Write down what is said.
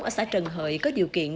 ở xã trần hợi có điều kiện